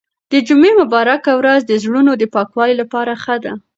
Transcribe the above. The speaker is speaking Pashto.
د جمعې مبارکه ورځ د زړونو د پاکوالي لپاره ښه ده.